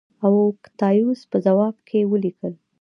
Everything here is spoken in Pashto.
اوکتایوس په ځواب کې ولیکل